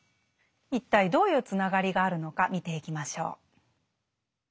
一体どういうつながりがあるのか見ていきましょう。